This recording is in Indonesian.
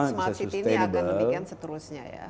smart city ini agak lebih kan seterusnya ya